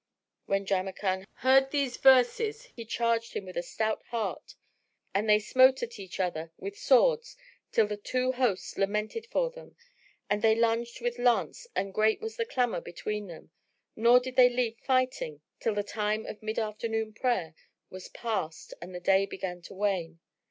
When Jamrkan heard these verses, he charged him with a stout heart and they smote each at other with swords till the two hosts lamented for them, and they lunged with lance and great was the clamour between them: nor did they leave fighting till the time of mid afternoon prayer was passed and the day began to wane.